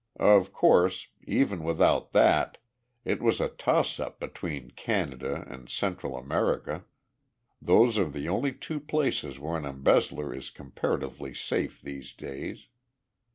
Of course, even without that, it was a toss up between Canada and Central America. Those are the only two places where an embezzler is comparatively safe these days.